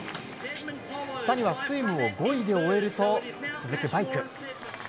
谷は、スイムを５位で終えると続くバイク。